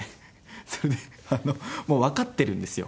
それでもうわかってるんですよ。